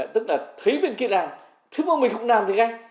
tức là thấy bên kia làm thấy bên mình không làm thì gây